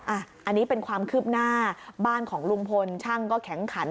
อันนี้เป็นความคืบหน้าบ้านของลุงพลช่างก็แข็งขัน